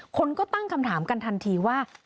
คนก็ตั้งคำถามกันทันทีว่า